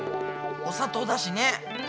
お砂糖だしね。